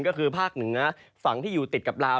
ก็คือภาคเหนือฝั่งที่อยู่ติดกับลาว